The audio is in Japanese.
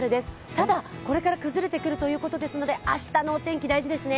ただ、これから崩れてくるということですので、明日のお天気、大事ですね。